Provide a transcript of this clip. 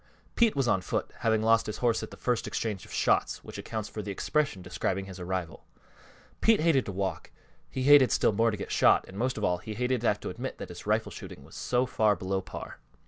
Pete was on foot, having lost his horse at the first exchange of shots, which accounts for the expression describing his arrival. Pete hated to walk, he hated still more to get shot, and most of all he hated to have to admit that his rifle shooting was so far below par.